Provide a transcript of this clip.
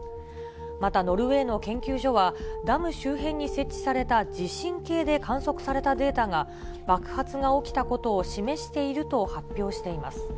またノルウェーの研究所は、ダム周辺に設置された地震計で観測されたデータが爆発が起きたことを示していると発表しています。